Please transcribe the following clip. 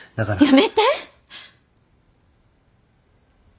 やめて！